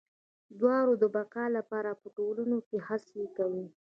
دواړه د بقا لپاره په ټولنو کې هڅه کوي.